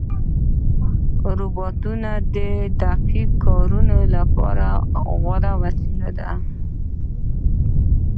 روبوټونه د دقیق کارونو لپاره غوره وسیلې دي.